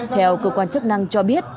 theo cơ quan chức năng cho biết